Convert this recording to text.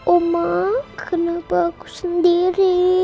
oma kenapa aku sendiri